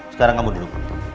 sekarang kamu duduk